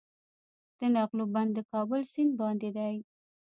د نغلو بند د کابل سیند باندې دی